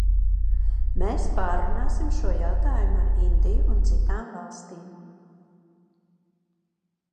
Mēs pārrunāsim šo jautājumu ar Indiju un citām valstīm.